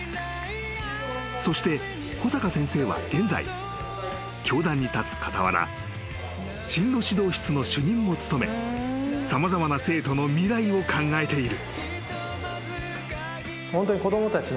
［そして小坂先生は現在教壇に立つ傍ら進路指導室の主任も務め様々な生徒の未来を考えている］